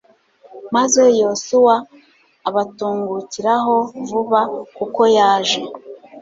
maze yosuwa abatungukiraho vuba kuko yaje